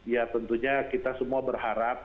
ya tentunya kita semua berharap